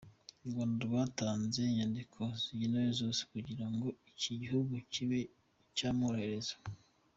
U Rwanda rwatanze inyandiko zikenewe zose kugira ngo iki gihugu kibe cyamwohereza.